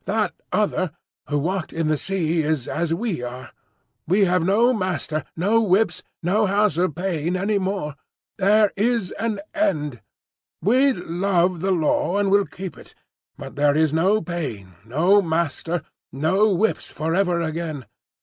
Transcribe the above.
That Other who walked in the Sea is as we are. We have no Master, no Whips, no House of Pain, any more. There is an end. We love the Law, and will keep it; but there is no Pain, no Master, no Whips for ever again.